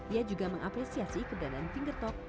ia juga mengapresiasi keberadaan finger talk